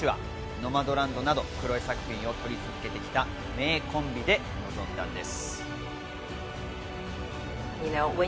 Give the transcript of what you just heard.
『ノマドランド』などクロエ作品を撮り続けてきた名コンビで撮ったんです。